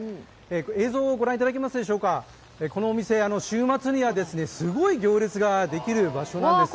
映像をご覧いただけますでしょうか、このお店週末にはすごい行列ができる場所なんです。